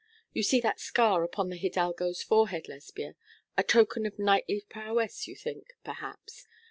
You see that scar upon the hidalgo's forehead, Lesbia a token of knightly prowess, you think, perhaps.